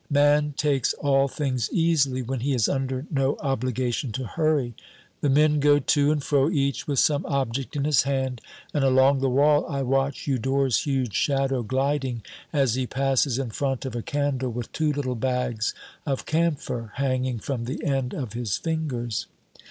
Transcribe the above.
Man takes all things easily when he is under no obligation to hurry. The men go to and fro, each with some object in his hand, and along the wall I watch Eudore's huge shadow gliding, as he passes in front of a candle with two little bags of camphor hanging from the end of his fingers.